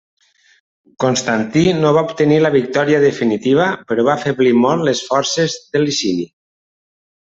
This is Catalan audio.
Constantí no va obtenir la victòria definitiva però va afeblir molt les forces de Licini.